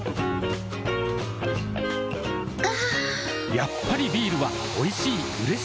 やっぱりビールはおいしい、うれしい。